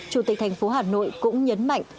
chủ tịch thành phố hà nội cũng nhấn mạnh